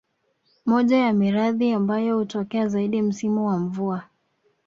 Moja ya maradhi ambayo hutokea zaidi msimu wa mvua